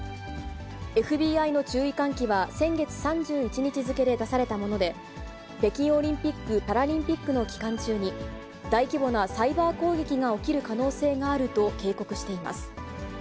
ＦＢＩの注意喚起は、先月３１日付で出されたもので、北京オリンピック・パラリンピックの期間中に、大規模なサイバー攻撃が起きる可能性があると警告しています。